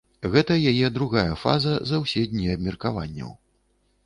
Гэта яе другая фраза за ўсе дні абмеркаванняў.